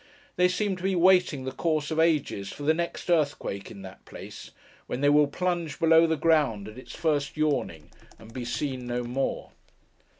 They seem to be waiting the course of ages, for the next earthquake in that place; when they will plunge below the ground, at its first yawning, and be seen no more.